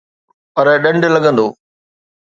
پر ڏنڊ لڳندو